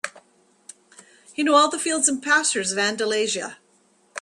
He knew all the fields and pastures of Andalusia.